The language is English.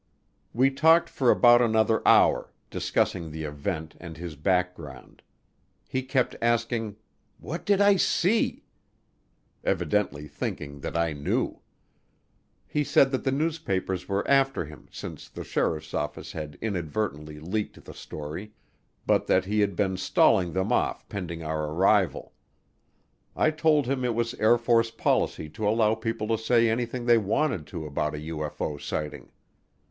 We talked for about another hour, discussing the event and his background. He kept asking, "What did I see?" evidently thinking that I knew. He said that the newspapers were after him, since the sheriff's office had inadvertently leaked the story, but that he had been stalling them off pending our arrival. I told him it was Air Force policy to allow people to say anything they wanted to about a UFO sighting.